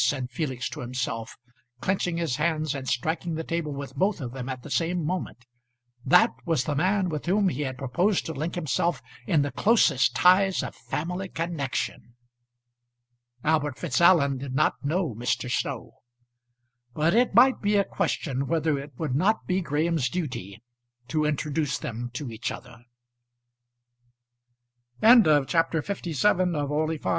said Felix to himself, clenching his hands and striking the table with both of them at the same moment. That was the man with whom he had proposed to link himself in the closest ties of family connection. Albert Fitzallen did not know Mr. Snow; but it might be a question whether it would not be Graham's duty to introduce them to each other. CHAPTER LVIII. MISS STAVELEY DECLINES TO EAT MINCED VEAL.